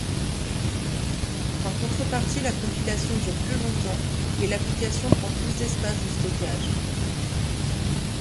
En contrepartie, la compilation dure plus longtemps, et l'application prend plus d'espace de stockage.